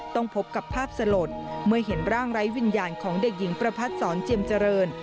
พบกับภาพสลดเมื่อเห็นร่างไร้วิญญาณของเด็กหญิงประพัดศรเจียมเจริญ